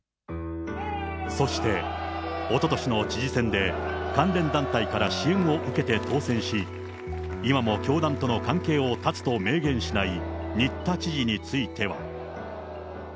そして、おととしの知事選で関連団体から支援を受けて当選し、今も教団との関係を断つと明言しない新田知事については。